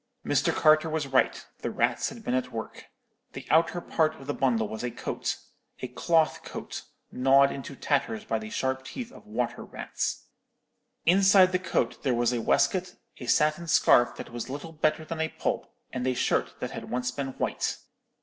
"Mr. Carter was right: the rats had been at work. The outer part of the bundle was a coat—a cloth coat, knawed into tatters by the sharp teeth of water rats. "Inside the coat there was a waistcoat, a satin scarf that was little better than a pulp, and a shirt that had once been white.